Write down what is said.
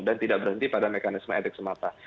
dan tidak berhenti pada mekanisme etik semata